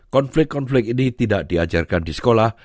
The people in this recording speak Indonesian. konflik konflik ini tidak diajarkan di sekolah